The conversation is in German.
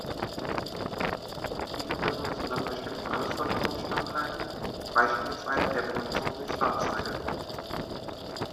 Diese Brücken müssen dann bestimmten Anforderungen standhalten, beispielsweise der Benutzung durch Fahrzeuge.